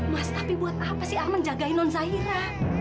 mas tapi buat apa sih amar menjagai nonzahira